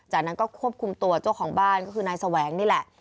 จากนั้นก็ควบคุมตัวเจ้าของบ้านก็คือนายแสวงนี่แหละ